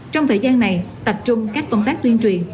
trong thời gian này tập trung các công tác tuyên truyền